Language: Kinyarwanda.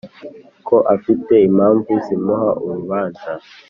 ko afite impamvu zimuha urubanza’’